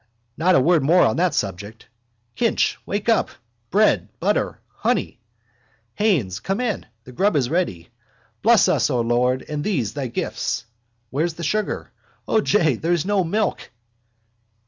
Not a word more on that subject! Kinch, wake up! Bread, butter, honey. Haines, come in. The grub is ready. Bless us, O Lord, and these thy gifts. Where's the sugar? O, jay, there's no milk.